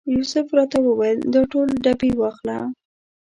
یوسف راته وویل دا ټول ډبې واخله.